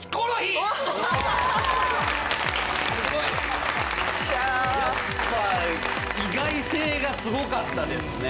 やっぱ意外性がすごかったですね。